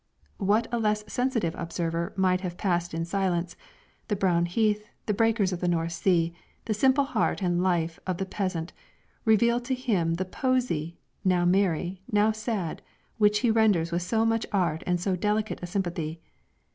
What a less sensitive observer might have passed in silence the brown heath, the breakers of the North Sea, the simple heart and life of the peasant revealed to him the poesy, now merry, now sad, which he renders with so much art and so delicate a sympathy.